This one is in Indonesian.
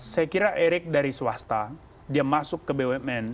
saya kira erik dari swasta dia masuk ke bumn